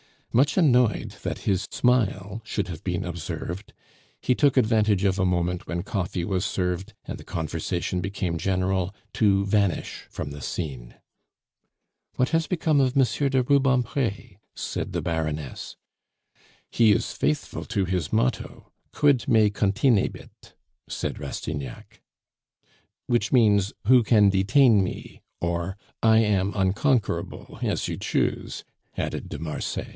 Much annoyed that his smile should have been observed, he took advantage of a moment when coffee was served, and the conversation became general, to vanish from the scene. "What has become of Monsieur de Rubempre?" said the Baroness. "He is faithful to his motto: Quid me continebit?" said Rastignac. "Which means, 'Who can detain me?' or 'I am unconquerable,' as you choose," added de Marsay.